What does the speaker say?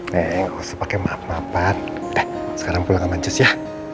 neng gak usah pake maaf maafan udah sekarang pulang sama ntius ya